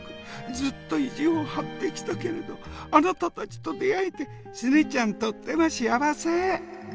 ずっと意地を張ってきたけれどあなたたちと出会えてすねちゃんとっても幸せ！」。